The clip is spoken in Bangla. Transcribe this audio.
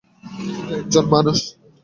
শুধু একজন মানুষ!